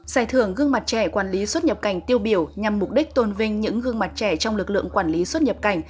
giải thưởng gương mặt trẻ quản lý xuất nhập cảnh tiêu biểu nhằm mục đích tôn vinh những gương mặt trẻ trong lực lượng quản lý xuất nhập cảnh